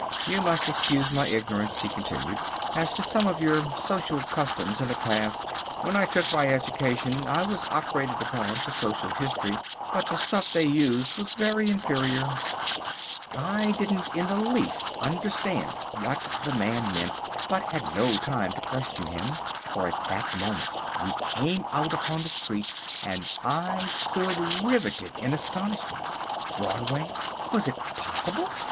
You must excuse my ignorance," he continued, "as to some of your social customs in the past. When I took my education I was operated upon for social history, but the stuff they used was very inferior." I didn't in the least understand what the man meant, but had no time to question him, for at that moment we came out upon the street, and I stood riveted in astonishment. Broadway! Was it possible?